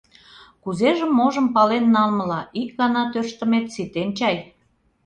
Кузежым-можым пален налмыла, ик гана тӧрштымет ситен чай?